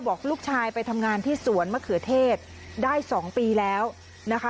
บอกลูกชายไปทำงานที่สวนมะเขือเทศได้๒ปีแล้วนะคะ